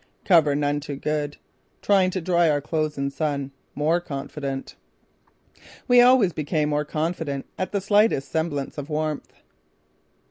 Cover none too good. Trying to dry our clothes in sun. More confident." We always became more confident at the slightest semblance of warmth.